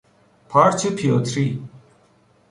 پارچ پیوتری